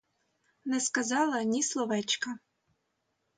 Не сказала ні словечка.